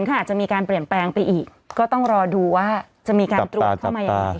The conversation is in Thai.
ก็อาจจะมีการเปลี่ยนแปลงไปอีกก็ต้องรอดูว่าจะมีการตรวจเข้ามายังไง